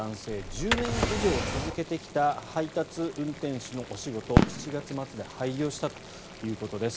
１０年以上続けてきた配達運転手のお仕事、７月末で廃業したということです。